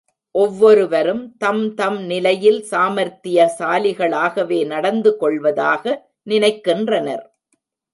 ஒவ்வொருவரும் தம்தம் நிலையில் சாமார்த்திய சாலிகளாகவே நடந்து கொள்வதாக நினைக்கின்றனர்.